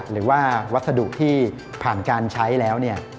หรือว่าวัสดุที่ผ่านการใช้แล้วเนี่ย